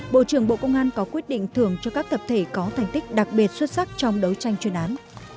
bộ trưởng bộ công an có quyết định thưởng cho các tập thể có thành tích đặc biệt xuất sắc trong đấu tranh chuyên án